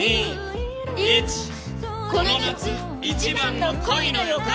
この夏一番の恋の予感！